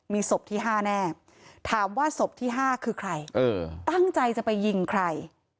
มีศพที่๕แน่ถามว่าศพที่๕คือใครตั้งใจจะไปยิงใคร